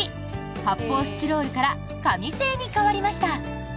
発泡スチロールから紙製に変わりました。